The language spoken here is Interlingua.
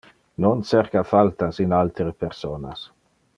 Non cerca faltas in altere personas.